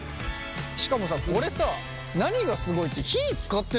しかもさこれさ何がすごいって火使ってないんだよね何も。